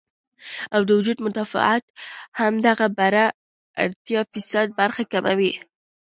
او د وجود مدافعت هم دغه بره اتيا فيصده برخه کموي